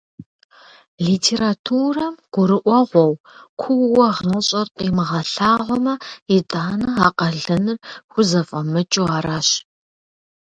Литературэм гурыӀуэгъуэу куууэ гъащӀэр къимыгъэлъагъуэмэ, итӀанэ а къалэныр хузэфӀэмыкӀыу аращ.